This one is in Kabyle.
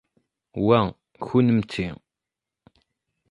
Wa, kennemti!